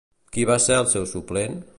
Qui va ser el seu suplent?